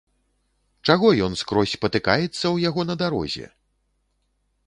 Чаго ён скрозь патыкаецца ў яго на дарозе?